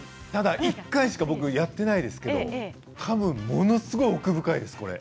１回しかやってないですけどたぶん、ものすごい奥深いです。